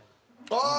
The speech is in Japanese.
あ！